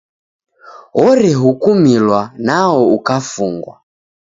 Orehukumilwa nwao ukafungwa.